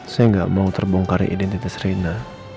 saya gak mau terbongkari identitas reina